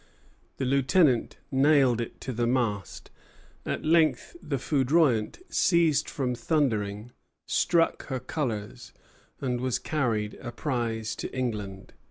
The lieutenant nailed it to the mast. At length the "Foudroyant" ceased from thundering, struck her colors, and was carried a prize to England.